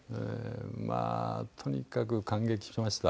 まあとにかく感激しました。